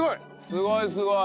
すごいすごい。